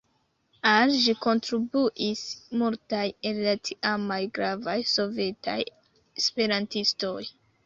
Al ĝi kontribuis multaj el la tiamaj gravaj sovetaj esperantistoj.